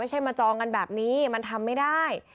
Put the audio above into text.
ไม่ใช่มาจองกันแบบนี้มันทำไม่ได้